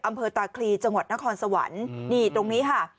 อำเภอตาคลีจังหวัดนครสวรรค์นี่ตรงนี้ค่ะ